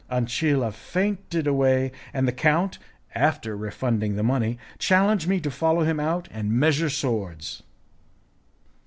Ancilla fainted away, and the count, after refunding the money, challenged me to follow him out and measure swords.